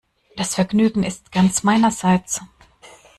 Das Vergnügen ist ganz meinerseits.